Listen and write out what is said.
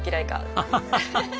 アハハハ！